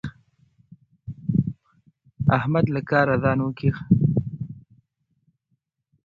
احمد له کاره ځان وکيښ.